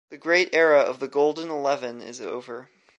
The great era of the Golden Eleven is over.